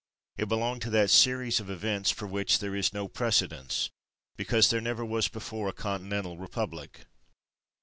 It belonged to that series of events for which there is no precedence, because there never was before a continental republic.